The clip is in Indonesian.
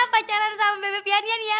pacaran sama bebe pianian ya